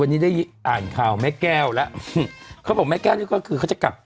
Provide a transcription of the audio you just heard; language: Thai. วันนี้ได้อ่านข่าวแม่แก้วแล้วเขาบอกแม่แก้วนี่ก็คือเขาจะกลับ